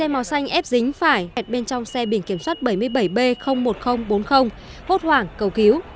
hai màu xanh ép dính phải kẹt bên trong xe biển kiểm soát bảy mươi bảy b một nghìn bốn mươi hốt hoảng cầu cứu